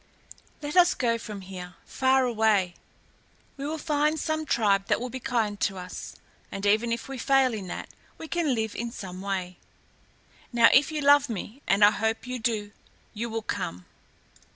Let us go from here far away. We will find some tribe that will be kind to us, and even if we fail in that we can live in some way. Now, if you love me, and I hope you do, you will come."